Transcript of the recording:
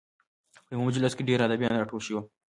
په یوه مجلس کې ډېر ادیبان راټول شوي وو.